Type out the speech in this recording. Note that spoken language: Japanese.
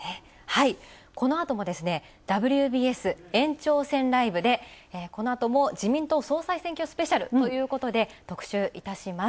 このあとも、「ＷＢＳ延長戦ＬＩＶＥ」でこのあとも自民党総裁選挙スペシャルということ特集いたします。